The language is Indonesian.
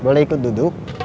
boleh ikut duduk